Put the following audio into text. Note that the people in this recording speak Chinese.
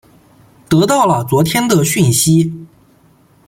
得到了昨天的讯息